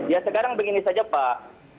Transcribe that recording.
ya sekarang begini saja pak